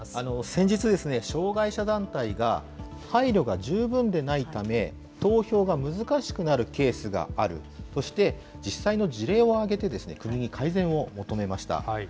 先日、障害者団体が、配慮が十分でないため、投票が難しくなるケースがある、そして実際の事例を挙げて、国に改善を求めました。